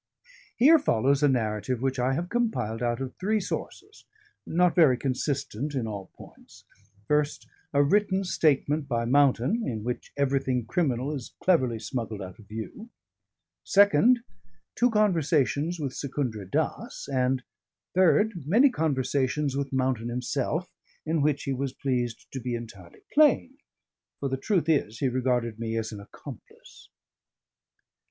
Here follows a narrative which I have compiled out of three sources, not very consistent in all points: First, a written statement by Mountain, in which everything criminal is cleverly smuggled out of view; Second, two conversations with Secundra Dass; and Third, many conversations with Mountain himself, in which he was pleased to be entirely plain; for the truth is he regarded me as an accomplice.